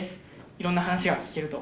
いろんな話が聞けると。